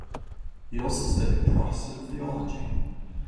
He also studied Protestant theology.